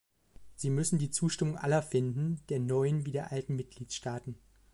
Sie müssen die Zustimmung aller finden, der neuen wie der alten Mitgliedstaaten.